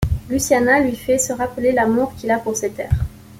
Luciana lui fait se rappeler l’amour qu’il a pour ses terres.